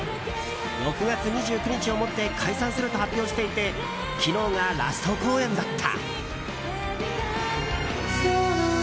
６月２９日をもって解散すると発表していて昨日がラスト公演だった。